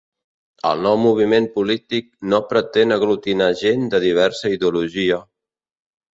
El nou moviment polític no pretén aglutinar gent de diversa ideologia